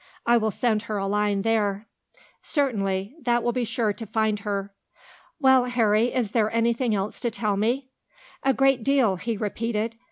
I will send her a line there." "Certainly. That will be sure to find her." "Well, Harry, is there anything else to tell me? "A great deal," he repeated.